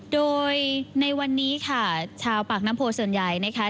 โดยในวันนี้ค่ะชาวปากน้ำโพส่วนใหญ่นะคะ